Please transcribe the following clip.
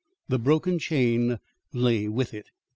The broken chain lay with it.